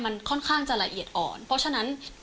มันค่อนข้างจะละเอียดอ่อนเพราะฉะนั้น